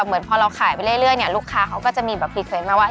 เป็นลายอาหารจากหมอนธรรมดา